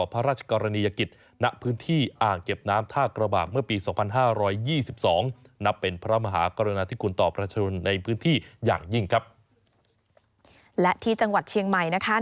พื้นที่อย่างยิ่งครับและที่จังหวัดเชียงใหม่นะคะ